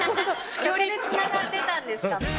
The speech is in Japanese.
それでつながってたんですか。